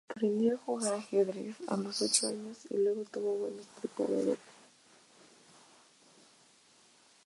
Aprendió a jugar ajedrez a los ocho años y luego tuvo buenos preparadores.